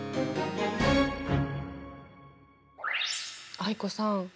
藍子さん